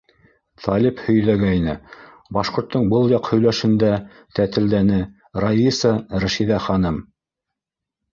Талип һөйҙәгәйне, - башҡорттоң был яҡ һөйләшендә тәтелдәне Раиса-Рәшиҙә ханым.